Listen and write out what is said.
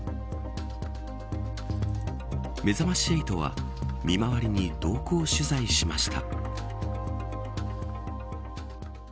めざまし８は見回りに同行取材しました。